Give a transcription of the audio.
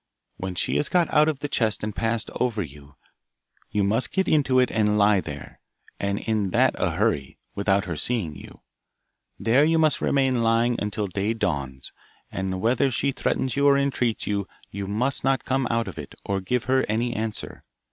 When she has got out of the chest and passed over you, you must get into it and lie there, and that in a hurry, without her seeing you. There you must remain lying until day dawns, and whether she threatens you or entreats you, you must not come out of it, or give her any answer.